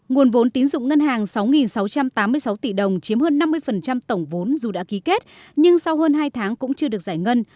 nguồn vốn tín dụng ngân hàng sáu sáu trăm tám mươi sáu tỷ đồng chiếm hơn năm mươi tổng vốn dù đã ký kết nhưng sau hơn hai tháng cũng chưa được giải ngân